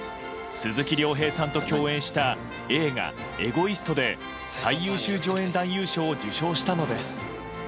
鈴木亮平さんと共演した映画「エゴイスト」で最優秀助演男優賞を受賞したのです。